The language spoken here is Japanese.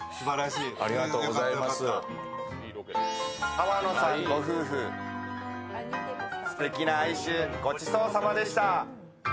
河野さんご夫婦、すてきな愛愁ごちそうさまでした。